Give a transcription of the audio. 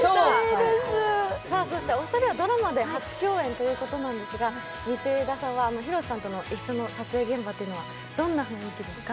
お二人はドラマで初共演ということですが道枝さんは広瀬さんと一緒の撮影現場というのはどんな雰囲気ですか？